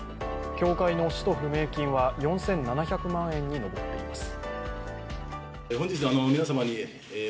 協会の使途不明金は４７００万円に上っています。